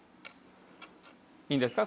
いいんですか？